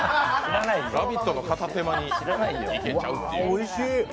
「ラヴィット！」の片手間にいけちゃうという。